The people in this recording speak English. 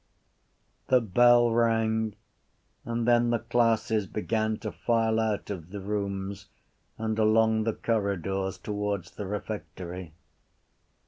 The bell rang and then the classes began to file out of the rooms and along the corridors towards the refectory.